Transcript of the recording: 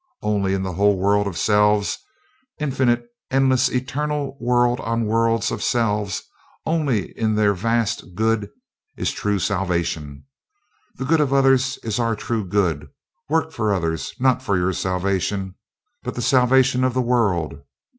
Only in a whole world of selves, infinite, endless, eternal world on worlds of selves only in their vast good is true salvation. The good of others is our true good; work for others; not for your salvation, but the salvation of the world."